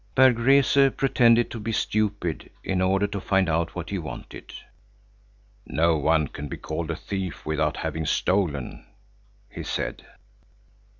Berg Rese pretended to be stupid in order to find out what he wanted. "No one can be called a thief without having stolen," he said.